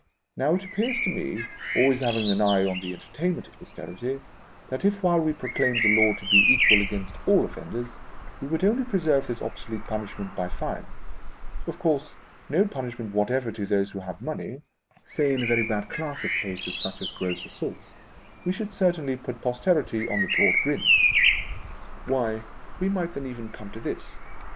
Now, it appears to me, always having an eye on the entertainment of Posterity, that if while we proclaimed the laws to be equal against all offenders, we would only preserve this obsolete punishment by fine — of course no punishment whatever to those who have money — say in a very bad class of cases such as gross assaults, we should certainly put Posterity on the broad grin. Why, we might then even come to this.